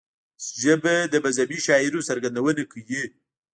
ژبه د مذهبي شعائرو څرګندونه کوي